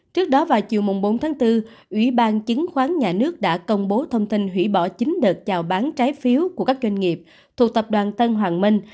trước đó vào chiều bốn tháng bốn ủy ban chứng khoán nhà nước đã công bố thông tin hủy bỏ chín đợt chào bán trái phiếu của các doanh nghiệp thuộc tập đoàn tân hoàng minh